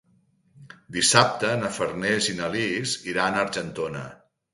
Dissabte na Farners i na Lis iran a Argentona.